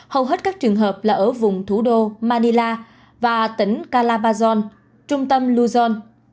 hầu hết các trường hợp là ở vùng thủ đô manila và tỉnh calabasas trung tâm luzon